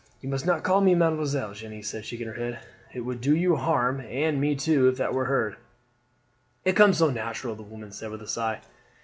"You must not call me mademoiselle," Jeanne said, shaking her head. "It would do you harm and me too if it were heard." "It comes so natural," the woman said with a sigh.